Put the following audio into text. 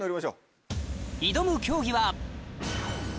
挑む競技は１０！